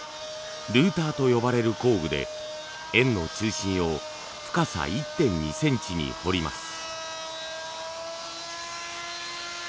ルーターと呼ばれる工具で円の中心を深さ１．２センチに彫ります。